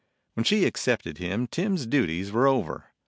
When she accepted him Tim's duties were over.